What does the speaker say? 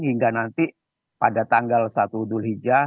hingga nanti pada tanggal satu julhijjah